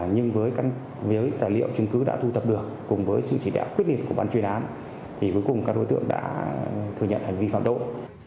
nhưng với tài liệu chứng cứ đã thu tập được cùng với sự chỉ đạo quyết liệt của bản truyền án thì cuối cùng các đối tượng đã thừa nhận hành vi phạm tội